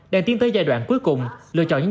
đang tiến tới giai đoạn cuối cùng lựa chọn những